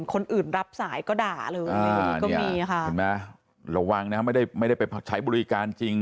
คนอื่นรับสายก็ด่าเลยก็มีค่ะเห็นไหมระวังนะไม่ได้ไม่ได้ไปใช้บริการจริง